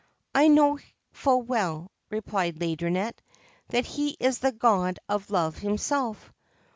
' I know full well,' replied Laideronnette, ' that he is the god of Love himself.'